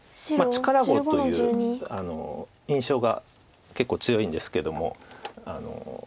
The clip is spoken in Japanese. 力碁という印象が結構強いんですけども。